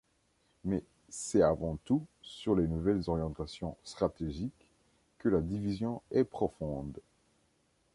Mais c'est avant tout sur les nouvelles orientations stratégiques que la division est profonde.